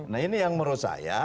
nah ini yang menurut saya